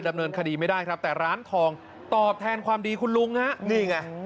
ดำเนินคดีไม่ได้ครับแต่ร้านทองตอบแทนความดีคุณลุงฮะนี่ไง